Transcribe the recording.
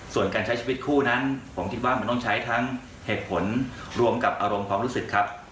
ส่วนการใช้ชีวิตคู่นั้นผมคิดว่ามันต้องใช้ทั้งเหตุผลรวมกับอารมณ์ความรู้สึกครับ